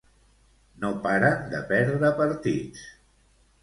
No paren de perdre partits.